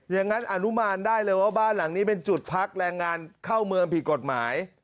อนุมานได้เลยว่าบ้านหลังนี้เป็นจุดพักแรงงานเข้าเมืองผิดกฎหมาย